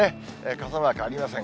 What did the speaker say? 傘マークありません。